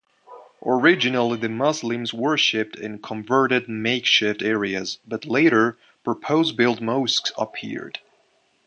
Originally, the Muslims worshipped in converted makeshift areas, but, later, purpose-built mosques appeared.